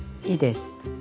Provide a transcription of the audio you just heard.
いいです。